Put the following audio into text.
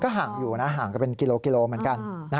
ก็ห่างอยู่ห่างกันเป็นกิโลต์เหมือนกัน